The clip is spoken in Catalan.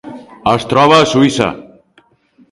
Es troba a Suïssa.